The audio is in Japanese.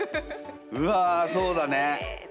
うわそうだね。